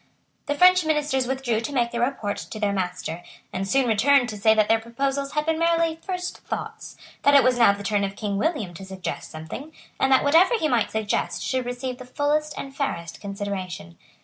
The French Ministers withdrew to make their report to their master, and soon returned to say that their proposals had been merely first thoughts, that it was now the turn of King William to suggest something, and that whatever he might suggest should receive the fullest and fairest consideration.